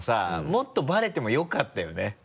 もっとバレてもよかったよね。